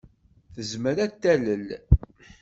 Tezmer ad d-talel.